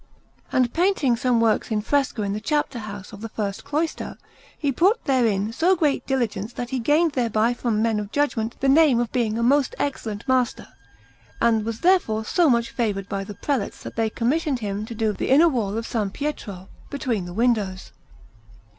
And painting some works in fresco in the Chapter house of the first cloister, he put therein so great diligence that he gained thereby from men of judgment the name of being a most excellent master, and was therefore so much favoured by the prelates that they commissioned him to do the inner wall of S. Pietro, between the windows.